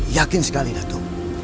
yakin sekali atuk